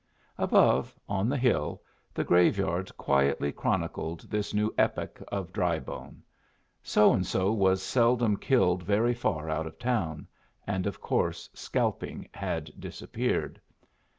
Above, on the hill, the graveyard quietly chronicled this new epoch of Drybone. So and so was seldom killed very far out of town, and of course scalping had disappeared.